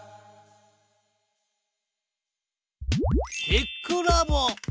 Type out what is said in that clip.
テックラボ。